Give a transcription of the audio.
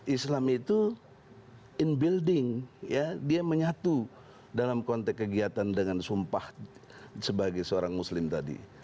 islam itu in building dia menyatu dalam konteks kegiatan dengan sumpah sebagai seorang muslim tadi